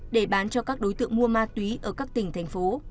để bán cho các đối tượng mua ma túy ở các tỉnh thành phố